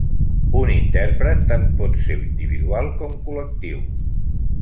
Un intèrpret tant pot ser individual com col·lectiu.